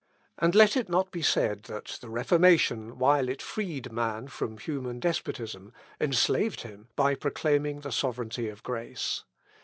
And let it not be said that the Reformation, while it freed man from human despotism, enslaved him by proclaiming the sovereignty of grace.